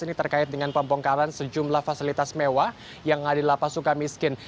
ini terkait dengan pembongkaran sejumlah fasilitas mewah yang ada di lapas suka miskin